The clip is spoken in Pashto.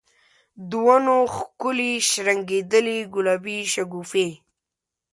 د ونو ښکلي شرنګیدلي ګلابې شګوفي